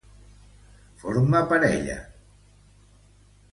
Forma parella.